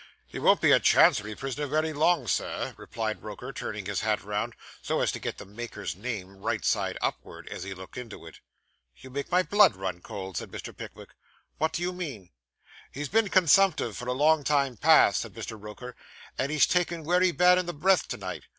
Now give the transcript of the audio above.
'He won't be a Chancery prisoner wery long, Sir,' replied Roker, turning his hat round, so as to get the maker's name right side upwards, as he looked into it. 'You make my blood run cold,' said Mr. Pickwick. 'What do you mean?' 'He's been consumptive for a long time past,' said Mr. Roker, 'and he's taken wery bad in the breath to night.